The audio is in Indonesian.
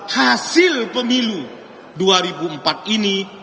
hasil pemilu dua ribu empat ini